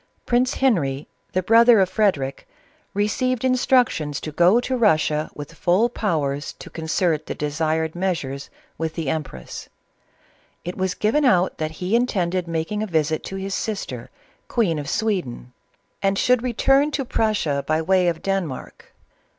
Prince Henry, the brother of Frederic, received instructions to go to Russia with full powers to concert the desired measures with the empress. It was given out that he intended making a visit to his sister, Queen of Sweden, CATHERINE OF RUSSIA. 419 and should return to Prussia by way of Denmark.